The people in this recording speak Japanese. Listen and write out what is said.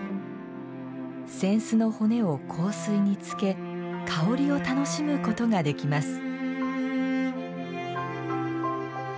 扇子の骨を香水につけ香りを楽しむことができます。